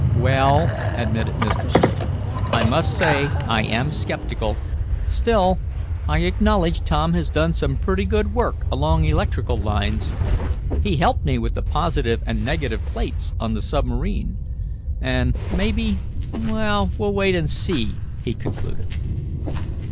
"Well," admitted Mr. Swift, "I must say I am skeptical. Still, I acknowledge Tom has done some pretty good work along electrical lines. He helped me with the positive and negative plates on the submarine, and, maybe well, we'll wait and see," he concluded.